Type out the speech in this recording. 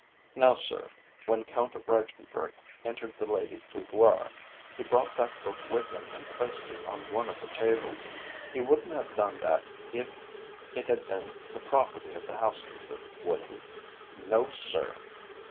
Now, sir, when Count Reiffenburg entered the lady's boudoir, he brought that book with him and placed it on one of the tables. He wouldn't have done that if it had been the property of the housekeeper, would he? No, sir!